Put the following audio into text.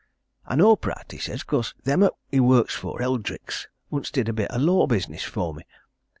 I know Pratt,' he says, ''cause them 'at he works for Eldricks once did a bit o' law business for me.'